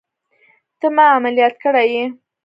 ته ما عمليات کړى يې.